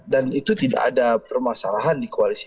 dan itu tidak ada permasalahan di koalisi